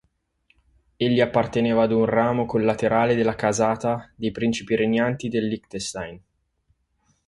Egli apparteneva ad un ramo collaterale della casata dei principi regnanti del Liechtenstein.